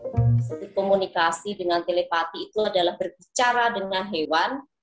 komunikasi dengan telepati itu adalah berbicara dengan hewan